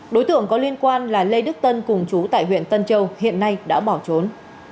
đối tượng có liên quan là lê đức tân cùng chú tại huyện tân châu hiện nay đã bỏ trốn